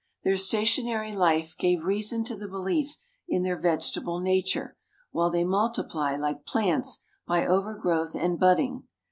Their stationary life gave reason to the belief in their vegetable nature, while they multiply, like plants, by overgrowth and budding.